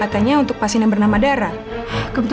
orang orang lain terlibat adalah istri